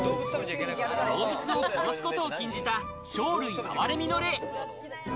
動物を殺すことを禁じた生類憐みの令。